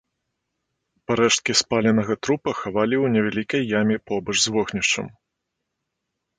Парэшткі спаленага трупа хавалі ў невялікай яме побач з вогнішчам.